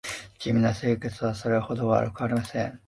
地味な生活はそれほど悪くはありません